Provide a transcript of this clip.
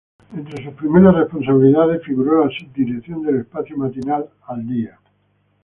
Entre sus primeras responsabilidades figuró la subdirección del espacio matinal "Al día".